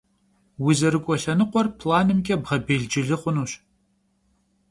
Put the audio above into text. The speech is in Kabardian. Vuzerık'ue lhenıkhuer planımç'e bğebêlcılı xhunuş.